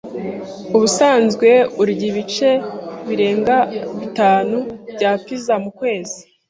Ubusanzwe urya ibice birenga bitanu bya pizza mukwezi?